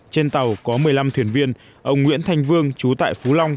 trên tàu có một mươi năm thuyền viên ông nguyễn thanh vương chú tại phú long